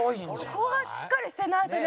ここがしっかりしてないとね。